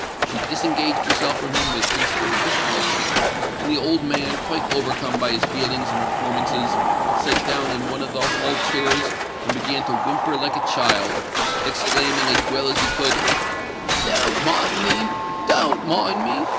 She disengaged herself from him with considerable difficulty; and the old man, quite overcome by his feelings and performances, sate down in one of the hall chairs, and began to whimper like a child—exclaiming as well as he could, "Don't mind me—don't mind me!